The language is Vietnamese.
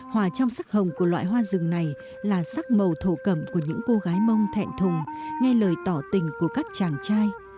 hoa trong sắc hồng của loại hoa rừng này là sắc màu thổ cẩm của những cô gái mông thẹn thùng nghe lời tỏ tình của các chàng trai